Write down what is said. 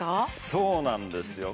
そうなんですよ。